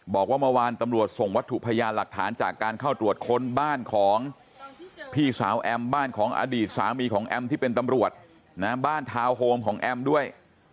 บอกว่าเมื่อวานตำรวจส่งวัตถุพยานหลักฐานจากการเข้าตรวจค้นบ้านของพี่สาวแอมบ้านของอดีตสามีของแอมที่เป็นตำรวจนะบ้านทาวน์โฮมของแอมด้วย